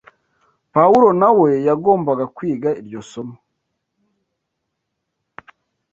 Pawulo na we yagombaga kwiga iryo somo.